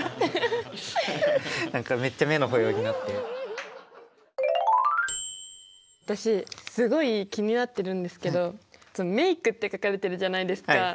何かめっちゃ私すごい気になってるんですけど「メイク」って書かれてるじゃないですか。